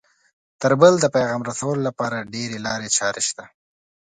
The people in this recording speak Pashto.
تر بل د پیغام رسولو لپاره ډېرې لارې چارې شته